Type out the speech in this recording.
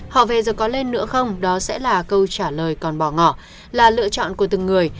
họ về giờ có lên nữa không đó sẽ là câu trả lời còn bỏ ngỏ là lựa chọn của từng người